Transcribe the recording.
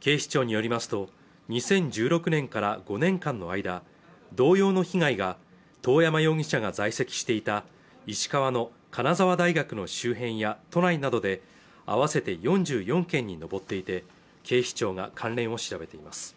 警視庁によりますと２０１６年から５年間の間同様の被害が遠山容疑者が在籍していた石川の金沢大学の周辺や都内などで合わせて４４件に上っていて警視庁が関連を調べています